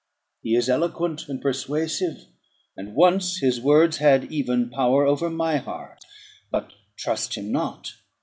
He is eloquent and persuasive; and once his words had even power over my heart: but trust him not.